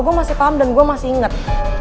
gue masih paham dan gue masih ingat